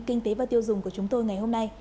kinh tế và tiêu dùng của chúng tôi ngày hôm nay